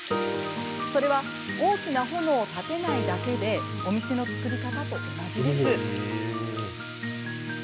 それは大きな炎を立てないだけでお店の作り方と同じです。